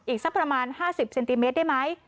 อีกสักประมาณ๕๐เซนติเมตรได้ไหม